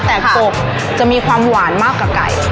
แต่กบจะมีความหวานมากกว่าไก่